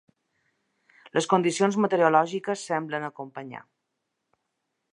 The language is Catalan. Les condicions meteorològiques semblen acompanyar.